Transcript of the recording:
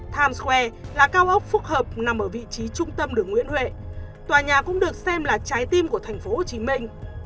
times square là cao ốc phức hợp nằm ở vị trí trung tâm đường nguyễn huệ tòa nhà cũng được xem là trái tim của thành phố hồ chí minh